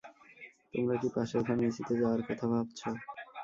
তোমরা কি পাশের ফার্মেসিতে যাওয়ার কথা ভাবছো?